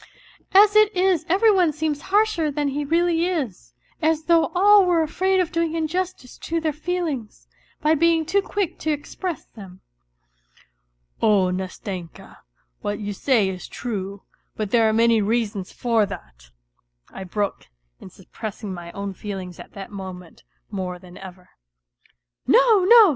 As it is every one seems harsher than he really is, as though all were afraid of doing injustice to their feelings, by being too quick to express them." " Oh, Nastenka, what you say is true ; but there are many reasons for that," I broke in suppressing my own feelings at that moment more than ever. " No, no !